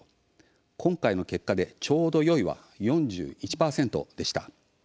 今回の結果でちょうどよいは４１％でした。